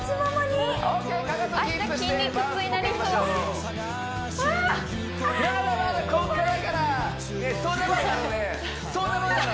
まだまだここからだから！